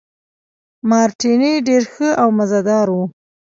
مارټیني ډېر ښه او مزه دار وو.